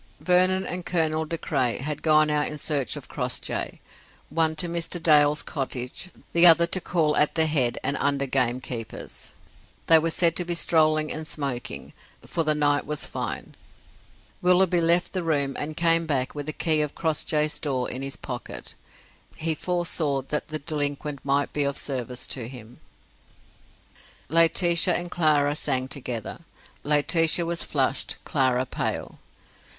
Vernon and Colonel De Craye had gone out in search of Crossjay, one to Mr. Dale's cottage, the other to call at the head and under gamekeeper's. They were said to be strolling and smoking, for the night was fine. Willoughby left the room and came back with the key of Crossjay's door in his pocket. He foresaw that the delinquent might be of service to him. Laetitia and Clara sang together. Laetitia was flushed, Clara pale.